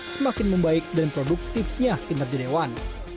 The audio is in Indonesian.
semakin membaik dan produktifnya kinerja dewan